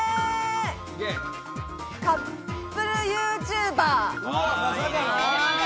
カップルユーチューバー。